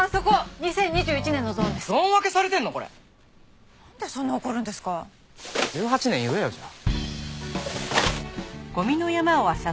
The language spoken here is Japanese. ２０１８年言えよじゃあ。